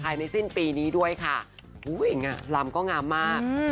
ภายในสิ้นปีนี้ด้วยค่ะอุ้ยเองอ่ะลำก็งามมากอืม